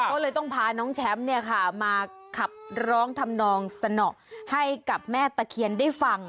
ก็เลยต้องพาน้องแชมป์มาขับร้องทำนองสนอให้กับแม่ตะเคียนได้ฟัง